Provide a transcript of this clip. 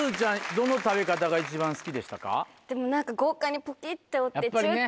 どの食べ方が一番好きでしたか？